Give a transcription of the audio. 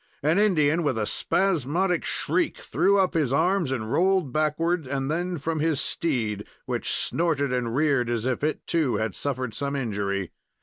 An Indian, with a spasmodic shriek, threw up his arms and rolled backward, and then from his steed, which snorted and reared, as if it, too, had suffered some injury.